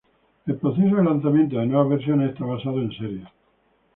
El proceso de lanzamiento de nuevas versiones está basado en series.